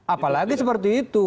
apalagi seperti itu